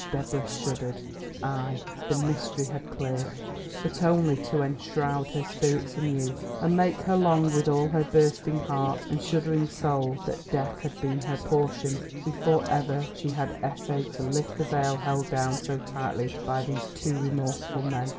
Deborah shuddered. Aye, the mystery had cleared, but only to enshroud her spirits anew and make her long with all her bursting heart and shuddering soul that death had been her portion before ever she had essayed to lift the veil held down so tightly by these two remorseful men.